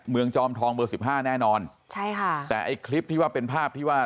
จอมทองเบอร์สิบห้าแน่นอนใช่ค่ะแต่ไอ้คลิปที่ว่าเป็นภาพที่ว่า